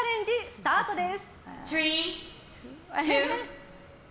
スタートです。